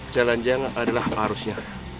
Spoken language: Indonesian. jalan yang adalah harusnya